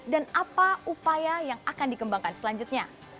dan apa upaya yang akan dikembangkan selanjutnya